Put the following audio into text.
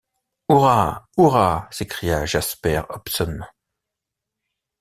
Hurrah! hurrah ! s’écria Jasper Hobson.